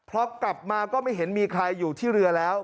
พอกลับมาก็ไม่เห็นมีใครอยู่ที่เรือแล้ว